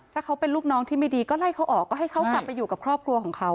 ถ้าเขาเป็นลูกน้องที่ไม่ดีก็ไล่เขาออกก็ให้เขากลับไปอยู่กับครอบครัวของเขา